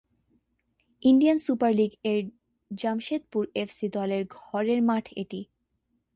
Indian super লীগ-এর Jamshedpur FC দলের ঘরের মাঠ এটি।